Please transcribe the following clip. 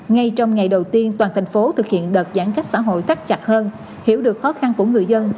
ngay trong ngày đầu tiên toàn thành phố thực hiện đợt giãn cách xã hội tắt chặt hơn hiểu được khó khăn của người dân